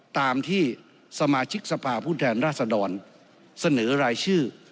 ตามที่สมาชิกสภาพผู้แทนราชดรเสนอรายชื่อ